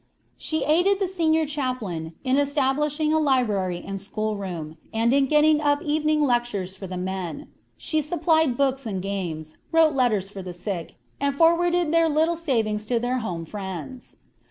She aided the senior chaplain in establishing a library and school room, and in getting up evening lectures for the men. She supplied books and games, wrote letters for the sick, and forwarded their little savings to their home friends.